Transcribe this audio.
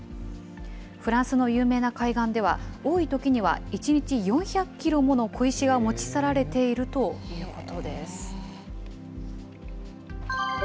フランスの有名な海岸では、多いときには１日４００キロもの小石が持ち去られているということです。